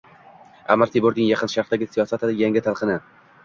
Amir Temurning Yaqin sharqdagi siyosati yangi talqini